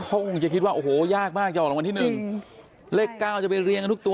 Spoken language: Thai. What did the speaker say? คงจะคิดว่าโอ้โหยากมากจะออกรางวัลที่๑เลข๙จะไปเรียงทุกตัว